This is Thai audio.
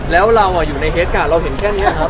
แล้วเรากลายมาว่าอยู่ในเฮลส์การด์ถึงนี้ครับ